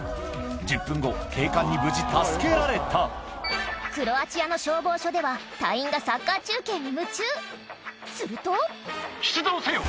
１０分後警官に無事助けられたクロアチアの消防署では隊員がサッカー中継に夢中すると・出動せよ！